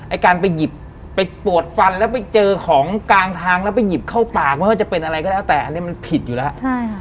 การไปหยิบไปปวดฟันแล้วไปเจอของกลางทางแล้วไปหยิบเข้าปากไม่ว่าจะเป็นอะไรก็แล้วแต่อันนี้มันผิดอยู่แล้วใช่ค่ะ